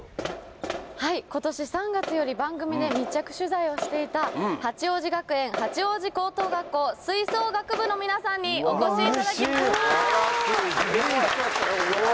ことし３月より番組で密着取材をしていた八王子学園八王子高等学校吹奏楽部の皆さんにお越しいただきました。